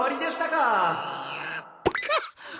かっ！